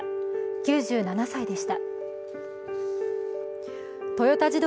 ９７歳でした。